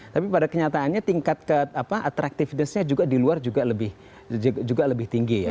tapi pada kenyataannya tingkat ke apa attractivenessnya juga di luar juga lebih tinggi ya